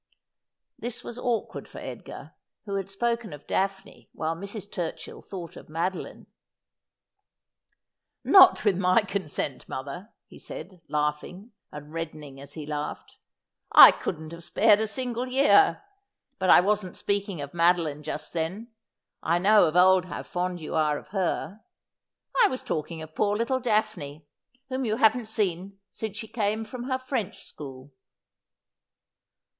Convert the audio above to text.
This was awkward for Edgar, who had spoken of Daphne, while Mrs. Turchill thought of Madoline. ' Not with my consent, mother,' he said, laughing, and red dening as he laughed. ' I couldn't have spared a single year. But I wasn't speaking of Madoline just then. I know of old how fond you are of her. I was talking of poor little Daphne, whom you haven't seen since she came from her French school.'